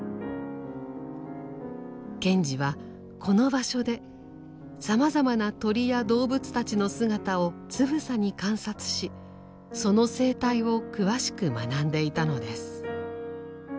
賢治はこの場所でさまざまな鳥や動物たちの姿をつぶさに観察しその生態を詳しく学んでいたのです。